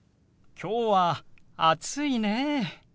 きょうは暑いね。